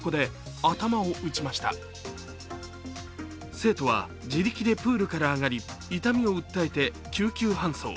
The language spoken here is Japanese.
生徒は自力でプールから上がり痛みを訴えて救急搬送。